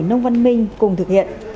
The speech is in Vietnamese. nông văn minh cùng thực hiện